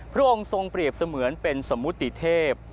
พระองค์ทรงเปรียบเสมือนเป็นสมุติเทพ